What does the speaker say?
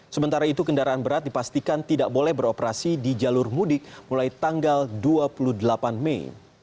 sementara itu kendaraan berat dipastikan tidak boleh beroperasi di jalur mudik mulai tanggal dua puluh delapan mei